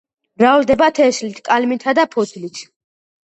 მრავლდება თესლით, კალმითა და ფოთლით.